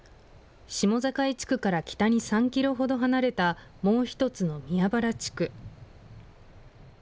下境地区から北に３キロほど離れたもう１つの宮原地区。